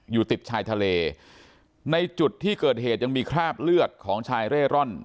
อยู่ติดชายทะเลในจุดที่เกิดเหตุยังมีคราบเลือดของชายเร่ร่อน